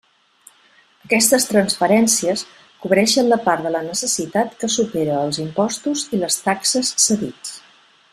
Aquestes transferències cobreixen la part de la necessitat que supera els impostos i les taxes cedits.